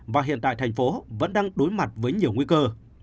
và hiện tại thành phố vẫn đang đối mặt với nhiều nguy cơ